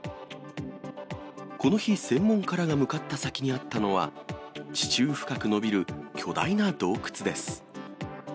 この日、専門家らが向かった先にあったのは、地中深く伸びる巨大な洞窟です。